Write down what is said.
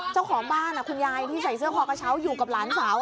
เจ้าของบ้านคุณยายที่ใส่เสื้อคอกระเช้าอยู่กับหลานสาว